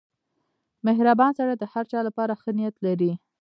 • مهربان سړی د هر چا لپاره ښه نیت لري.